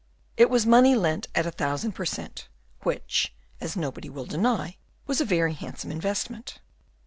It was money lent at a thousand per cent., which, as nobody will deny, was a very handsome investment.